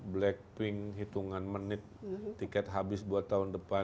blackpink hitungan menit tiket habis buat tahun depan